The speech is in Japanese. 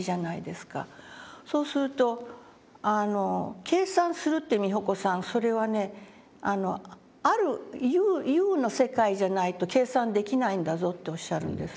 そうすると「計算するって美穂子さんそれはね有る有の世界じゃないと計算できないんだぞ」っておっしゃるんですね。